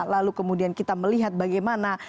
lalu kemudian kita melihat bagaimana